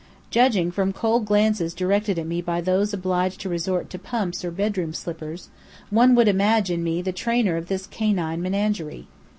Judging from cold glances directed at me by those obliged to resort to pumps or bedroom slippers, one would imagine me the trainer of this canine menagerie.